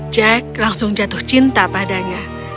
jack langsung jatuh cinta padanya